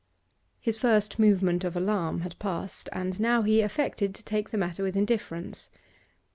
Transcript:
His first movement of alarm had passed, and now he affected to take the matter with indifference.